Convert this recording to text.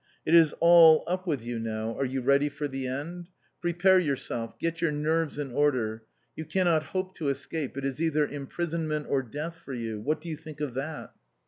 "It is all up with you now! Are you ready for the end? Prepare yourself, get your nerves in order. You cannot hope to escape, it is either imprisonment or death for you! What do you think of that?"